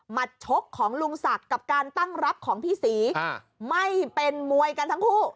ชกของลุงศักดิ์กับการตั้งรับของพี่ศรีไม่เป็นมวยกันทั้งคู่